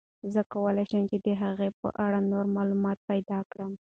زه کولای شم چې د هغې په اړه نور معلومات پیدا کړم.